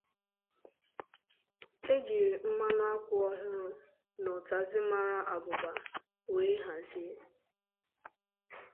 e jiri mmanụ akwụ ọhụrụ na ụtazị mara abụba wee hazie